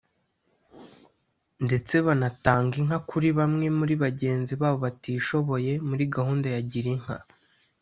ndetse banatanga inka kuri bamwe muri bagenzi babo batishoboye muri gahunda ya Girinka